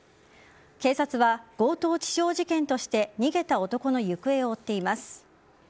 警察は強盗致傷事件として逃げた男の行方を追っています。